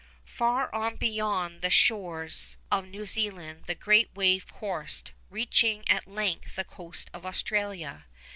Far on beyond the shores of New Zealand the great wave coursed, reaching at length the coast of Australia.